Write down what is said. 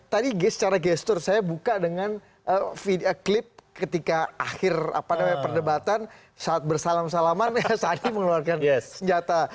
tadi secara gesture saya buka dengan video klip ketika akhir apa namanya perdebatan saat bersalam salaman sadi mengeluarkan senjata